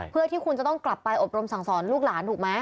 เพื่อที่คุณจะต้องกลับไปอบรมสั่งสอนลูกหลานถูกไหม